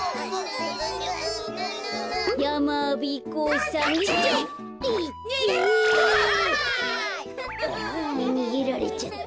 ああにげられちゃった。